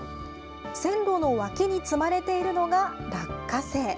線路の脇に積まれているのが落花生。